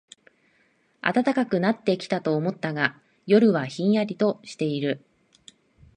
暖かくなってきたと思ったが、夜はひんやりとしている